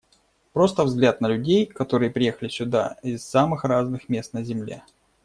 Просто взгляд на людей, которые приехали сюда из самых разных мест на земле.